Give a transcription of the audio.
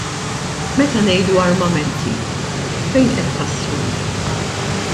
Meta ngħidu armamenti, fejn qed taslu?